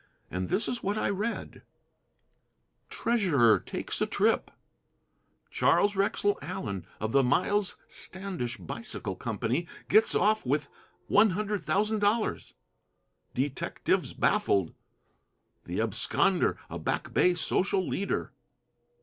And this is what I read: TREASURER TAKES A TRIP. CHARLES WREXELL ALLEN, OF THE MILES STANDISH BICYCLE COMPANY, GETS OFF WITH 100,000 DOLLARS. DETECTIVES BAFFLED. THE ABSCONDER A BACK BAY SOCIAL LEADER.